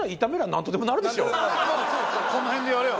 この辺でやりゃ。